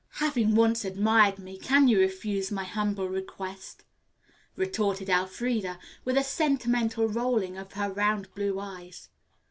"Having once admired me, can you refuse my humble request?" retorted Elfreda, with a sentimental rolling of her round blue eyes.